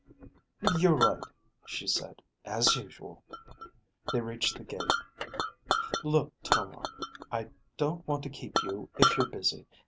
"You're right," she said, "as usual." They reached the gate. "Look, Tomar, I don't want to keep you if you're busy.